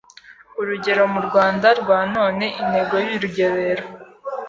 Urugerero mu Rwanda rwa none (intego y’urugerero,